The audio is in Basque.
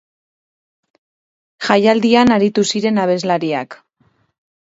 Jaialdian aritu ziren abeslariak.